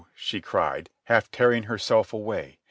she cried, half tearing herself away.